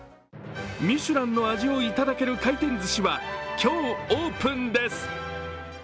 ミシュランの味を頂ける回転ずしは今日オープンです。